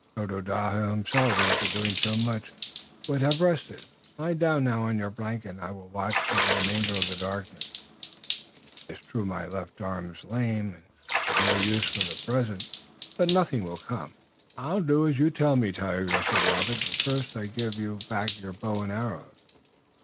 "Tododaho himself, after doing so much, would have rested. Lie down now on your blanket and I will watch for the remainder of the darkness. It is true my left arm is lame and of no use for the present, but nothing will come." "I'll do as you tell me, Tayoga," said Robert, "but first I give you back your bow and arrows.